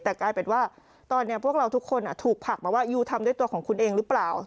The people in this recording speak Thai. แต่กลายเป็นว่าตอนนี้พวกเราทุกคนถูกผลักมาว่ายูทำด้วยตัวของคุณเองหรือเปล่า